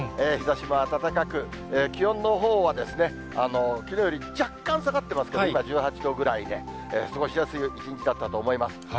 日ざしも暖かく、気温のほうは、きのうより若干下がってますけど、今、１８度ぐらいで、過ごしやすい一日だったと思います。